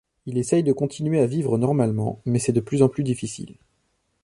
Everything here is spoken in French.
Il essaie de continuer à vivre normalement, mais c'est de plus en plus difficile.